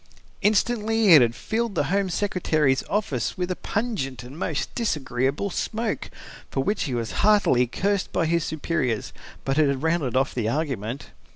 Instantly it had filled the Home Secretary's office with a pungent and most disagreeable smoke, for which he was heartily cursed by his superiors. But it had rounded off the argument.